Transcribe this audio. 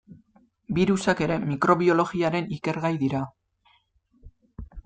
Birusak ere mikrobiologiaren ikergai dira.